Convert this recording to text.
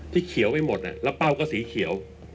เขียวไปหมดแล้วเป้าก็สีเขียว